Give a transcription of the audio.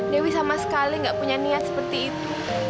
dewi sama sekali gak punya niat seperti itu